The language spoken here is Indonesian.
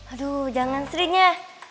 aduh jangan sri nya